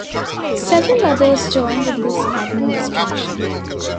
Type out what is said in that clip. Several others joined in this administration.